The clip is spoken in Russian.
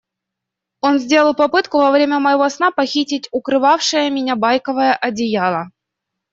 Он сделал попытку во время моего сна похитить укрывавшее меня байковое одеяло.